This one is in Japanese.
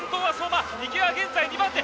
池江は現在２番手！